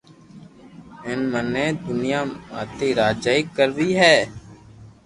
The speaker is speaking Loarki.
ھين مني دنيا ماٿي راجائي ڪروئ ھي